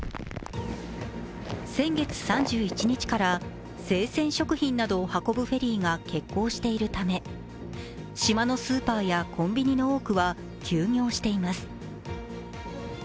先月３１日から生鮮食品などを運ぶフェリーが欠航しているため島のスーパーやコンビニの多くは休業しています。